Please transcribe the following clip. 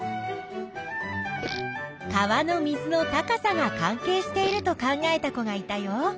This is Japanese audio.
川の水の高さが関係していると考えた子がいたよ。